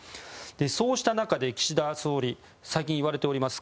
そうした中、岸田総理最近言われております